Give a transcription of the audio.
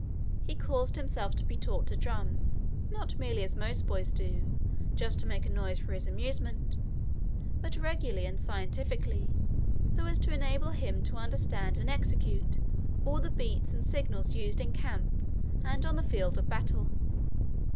He caused himself to be taught to drum, not merely as most boys do, just to make a noise for his amusement, but regularly and scientifically, so as to enable him to understand and execute all the beats and signals used in camp and on the field of battle.